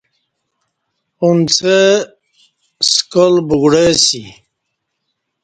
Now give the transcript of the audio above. ا نڅھو سکال بگڑ ہ اسی